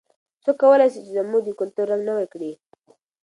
څوک کولای سي چې زموږ د کلتور رنګ نوی کړي؟